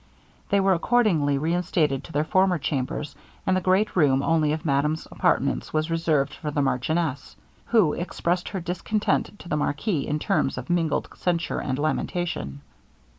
They were accordingly reinstated in their former chambers, and the great room only of madame's apartments was reserved for the marchioness, who expressed her discontent to the marquis in terms of mingled censure and lamentation.